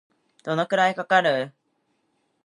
どのくらいかかる